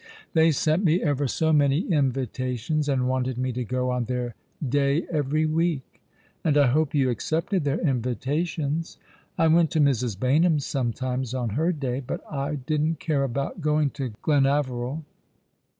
They sent me ever so many invitations, and wanted me to go on their day every week." " And I hope you accepted their invitations." " I went to Mrs. Baynham's sometimes on her day ; but I didn't care about going to Glenaveril.